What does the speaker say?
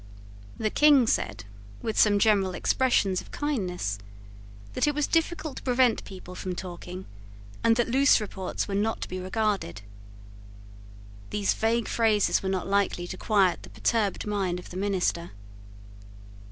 The King said, with some general expressions of kindness, that it was difficult to prevent people from talking, and that loose reports were not to be regarded. These vague phrases were not likely to quiet the perturbed mind of the minister.